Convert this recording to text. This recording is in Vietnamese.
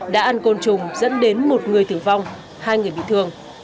đã ăn côn trùng dẫn đến một người tử vong hai người bị thương